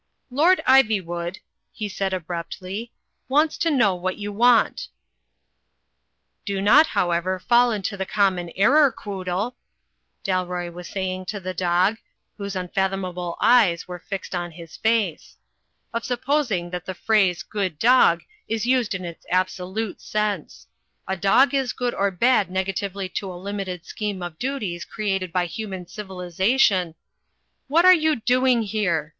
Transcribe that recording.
"Lord Ivywood," he said abruptly, "wants to know what you want." Digitized by CjOOQ IC THE BATTLE OF THE TUNNEL 159 "Do not, however, fall into the common error, Quoodle," Dalroy was saying to the dog, whose un fathomable eyes were fixed on his face, "of supposing * that the phrase 'good dog' is used in its absolute sense. A dog is good or bad negatively to a limited scheme of duties created by human civilization " ''What are you doing here?"